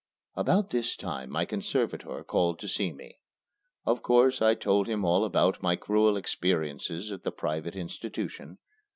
About this time my conservator called to see me. Of course, I told him all about my cruel experiences at the private institution.